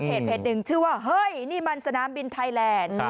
เพจหนึ่งชื่อว่าเฮ้ยนี่มันสนามบินไทยแลนด์